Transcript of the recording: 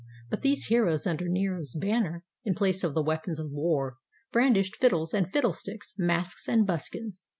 But these heroes under Nero's banner, in place of the weapons of war, brandished fiddles and fiddle sticks, masks and buskins.